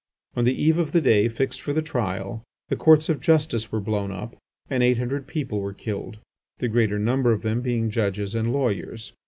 On the eve of the day fixed for the trial the Courts of justice were blown up and eight hundred people were killed, the greater number of them being judges and lawyers.